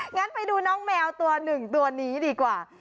งั้นไปดูน้องแมวตัวหนึ่งตัวนี้ดีกว่า